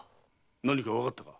何かわかったか？